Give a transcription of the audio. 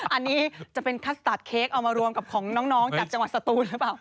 อันนี้จะเป็นคัสตาร์ทเค้กเอามารวมกับของน้องจากจังหวัดสตูนหรือเปล่า